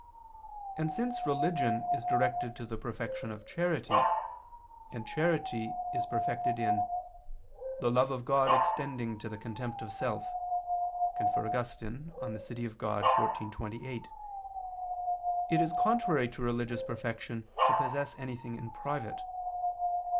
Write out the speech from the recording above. And since religion is directed to the perfection of charity, and charity is perfected in "the love of God extending to contempt of self" [*Augustine, De Civ. Dei xiv, 28,] it is contrary to religious perfection to possess anything in private.